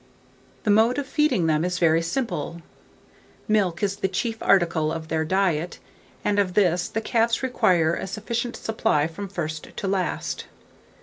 The mode of feeding them is very simple; milk is the chief article of their diet, and of this the calves require a sufficient supply from first to last.